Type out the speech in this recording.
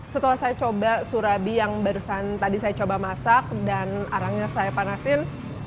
setelah saya coba surabi yang barusan tadi saya coba masak dan arangnya saya panasin